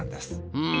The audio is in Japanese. うん。